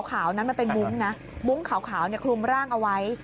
ขาวนั้นมันเป็นมุ้งนะมุ้งขาวคลุมร่างเอาไว้